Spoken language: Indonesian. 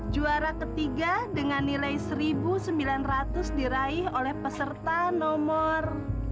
juara ketiga dengan nilai satu sembilan ratus diraih oleh peserta nomor